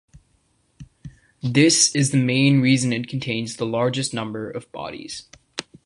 This is the main reason it contains the largest number of bodies.